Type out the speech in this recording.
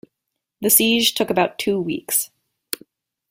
The siege took about two weeks.